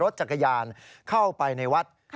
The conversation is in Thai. รถจักรยานเข้าไปในวัด